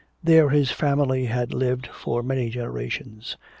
There his family had lived for many generations.